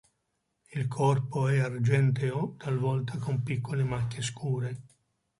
Il corpo è argenteo talvolta con piccole macchie scure.